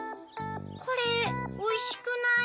これおいしくない。